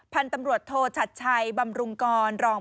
พันธุ์ตำรวจโทชัดชัยบำรุงกรรอง